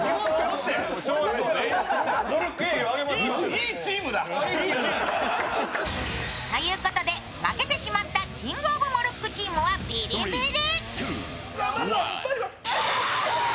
いいチームだ。ということで、負けてしまったキングオブモルックチームはビリビリ。